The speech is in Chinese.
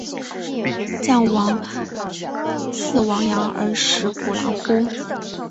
将必俟亡羊而始补牢乎！